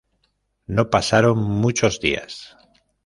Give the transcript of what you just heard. No pasaron muchos días.